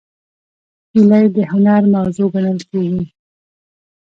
هیلۍ د هنر موضوع ګڼل کېږي